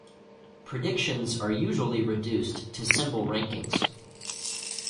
Predictions are usually reduced to symbol rankings.